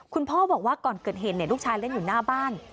คุณพ่อบอกว่าก่อนเกิดเหตุลูกชายเล่นอยู่หน้าบ้าน